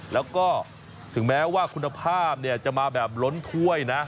แล้วก็ถึงแม้ว่าคุณภาพจะมาแบบล้นถ้วยนะ